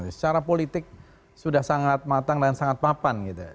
secara politik sudah sangat matang dan sangat papan